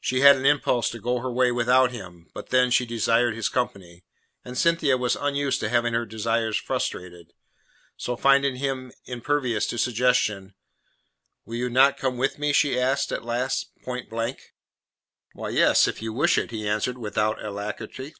She had an impulse to go her way without him; but, then, she desired his company, and Cynthia was unused to having her desires frustrated. So finding him impervious to suggestion: "Will you not come with me?" she asked at last, point blank. "Why, yes, if you wish it," he answered without alacrity.